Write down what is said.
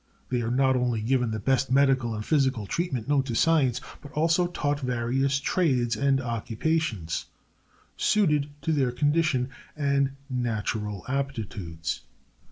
They are not only given the best medical and physical treatment known to science, but also taught various trades and occupations, suited to their condition and natural aptitudes.